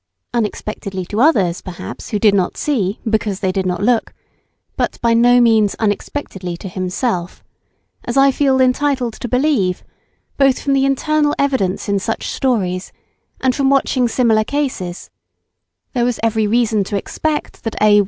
"Unexpectedly" to others, perhaps, who did not see, because they did not look; but by no means "unexpectedly to himself," as I feel entitled to believe, both from the internal evidence in such stories, and from watching similar cases; there was every reason to expect that A.